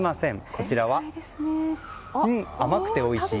こちらは、うん、甘くておいしい。